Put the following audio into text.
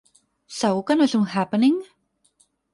Segur que no és un happening?